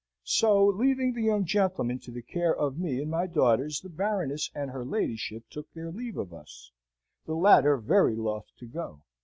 So, leaving the young gentleman to the care of me and my daughters, the Baroness and her ladyship took their leave of us, the latter very loth to go.